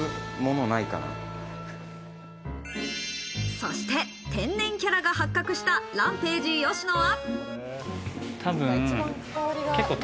そして天然キャラが発覚した、ＲＡＭＰＡＧＥ・吉野は。